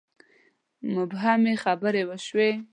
مبهمې خبرې وشوې.